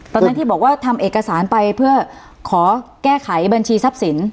ตอนนั้นที่บอกว่าทำเอกสารไปเพื่อขอแก้ไขบัญชีทรัพย์สิน